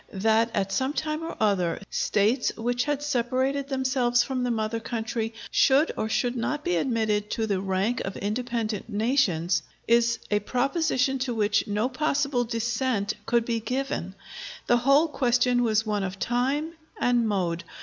That at some time or other, States which had separated themselves from the mother country should or should not be admitted to the rank of independent nations, is a proposition to which no possible dissent could be given. The whole question was one of time and mode.